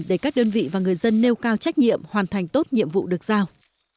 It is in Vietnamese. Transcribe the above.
để các đơn vị và người dân nêu cao trách nhiệm hoàn thành tốt nhiệm vụ được giao